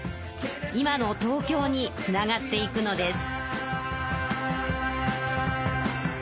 今の東京につながっていくのです。